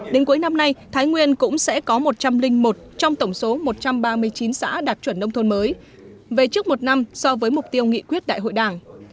đến cuối năm nay thái nguyên cũng sẽ có một trăm linh một trong tổng số một trăm ba mươi chín xã đạt chuẩn nông thôn mới về trước một năm so với mục tiêu nghị quyết đại hội đảng